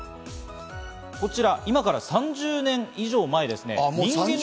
こちら今から３０年以上前ですね。